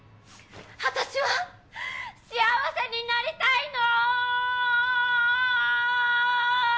私は幸せになりたいの！！